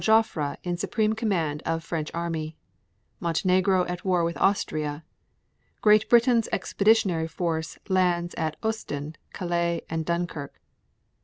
Joffre in supreme command of French army. 7. Montenegro at war with Austria. 7. Great Britain's Expeditionary Force lands at Ostend, Calais and Dunkirk.